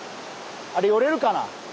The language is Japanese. あれ寄れるかな？